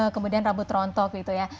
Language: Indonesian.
kemudian rambut rontok gitu ya